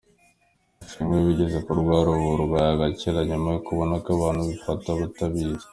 Ashimwe wigeze kurwara ubu burwayi agakira, nyuma yo kubona ko abantu ibafata batayizi.